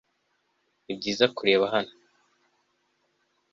nibyiza kureba hano